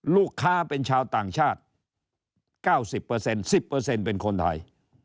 ลูกค้าเป็นชาวต่างชาติ๙๐๑๐เป็นคนไทย